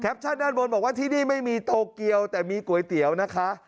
ด้านบนบอกว่าที่นี่ไม่มีโตเกียวแต่มีก๋วยเตี๋ยวนะคะ